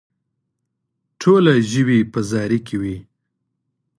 ټوله ژوي په زاري کې دي.